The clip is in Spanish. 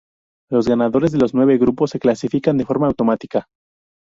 Los ganadores de los nueve grupos se clasifican de forma automática.